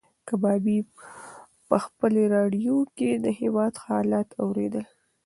کبابي په خپلې راډیو کې د هېواد حالات اورېدل.